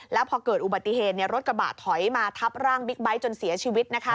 แล้วพอเกิดอุบัติเหตุรถกระบะถอยมาทับร่างบิ๊กไบท์จนเสียชีวิตนะคะ